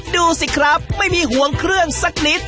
ดูสิครับไม่มีห่วงเครื่องสักนิด